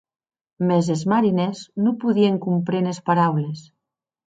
Mès es marinèrs non podien compréner es paraules.